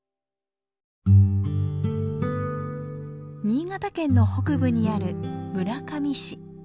新潟県の北部にある村上市。